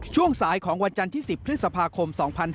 ช่วงสายของวันจันทร์ที่๑๐พฤษภาคม๒๕๕๙